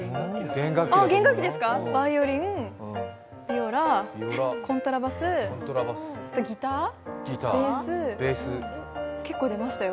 バイオリン、ビオラ、コントラバス、ギター、ベース、結構出ましたよ。